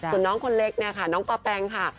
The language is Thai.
ส่วนน้องคนเล็กเนี่ยค่ะน้องปะแปงค่ะ